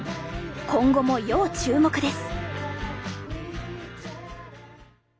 今後も要注目です！